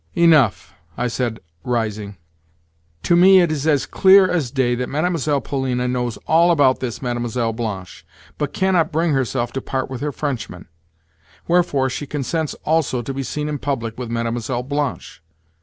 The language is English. "Enough," I said, rising. "To me it is as clear as day that Mlle. Polina knows all about this Mlle. Blanche, but cannot bring herself to part with her Frenchman; wherefore, she consents also to be seen in public with Mlle. Blanche.